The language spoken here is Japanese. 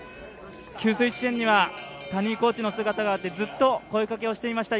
給水地点には谷井コーチの姿があってずっと声かけをしていました。